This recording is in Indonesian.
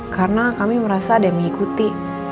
karena kami merasa ada yang mengikuti